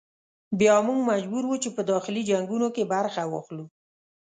بیا موږ مجبور وو چې په داخلي جنګونو کې برخه واخلو.